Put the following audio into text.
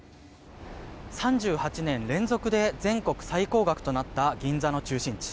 ３８年連続で全国最高額となった銀座の中心地。